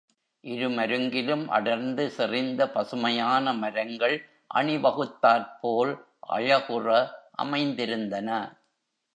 இருமருங்கிலும் அடர்ந்து செறிந்த பசுமையான மரங்கள் அணிவகுத்தாற்போல் அழகுற அமைந்திருந்தன.